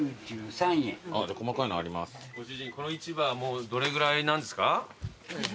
ご主人この市場はもうどれぐらいなんですか？